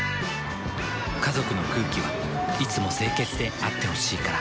家族の空気はいつも清潔であってほしいから。